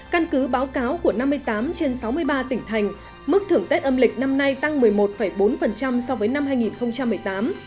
căn cứ báo cáo của năm mươi tám trên sáu mươi ba tỉnh thành mức thưởng tết âm lịch năm nay tăng một mươi một bốn so với năm hai nghìn một mươi tám